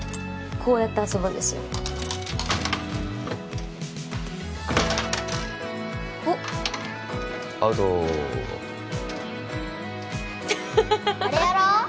こうやって遊ぶんですよおっアウトハハハハ・あれやろう・